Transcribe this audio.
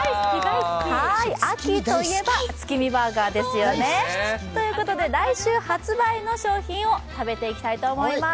秋といえば月見バーガーですよね。ということで来週発売の商品を食べていきたいと思います。